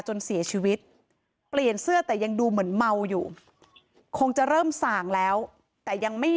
จนเสียชีวิตเปลี่ยนเสื้อแต่ยังดูเหมือนเมาอยู่คงจะเริ่มส่างแล้วแต่ยังไม่